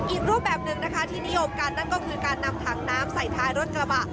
อีกรูปแบบนึงที่นิยมกันก็คือการนำถังน้ำใส่ทายรถกระบะ